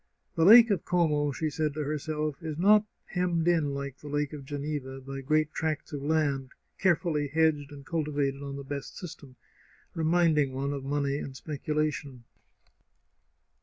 " The Lake of Como," she said to herself, " is not hemmed in, like the Lake of Geneva, by great tracts of land, carefully hedged and cultivated on the best system, reminding one of money and speculation.